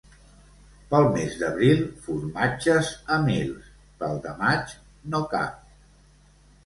Pel mes d'abril formatges a mils; pel de maig, no cap.